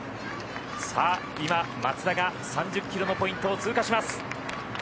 今、松田が３０キロのポイントを通過します。